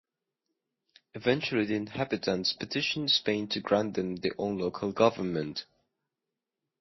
Eventually the inhabitants petitioned Spain to grant them their own local government.